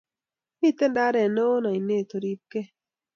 Miten ndaret newon ainet oripkee.